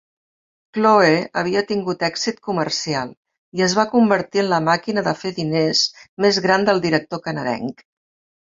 "Chloe" havia tingut èxit comercial i es va convertir en la màquina de fer diners més gran del director canadenc.